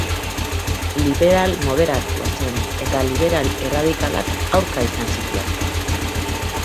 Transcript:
Liberal moderatua zen, eta liberal erradikalak aurka izan zituen.